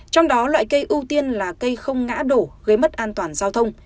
trong đó loại cây ưu tiên là cây không ngã đổ gây mất an toàn giao thông